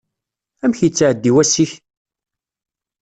Amek yettεeddi wass-ik?